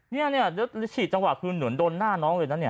เนี่ยแล้วฉี่จังหวะคือเหมือนโดนหน้าน้องเลยนะเนี่ย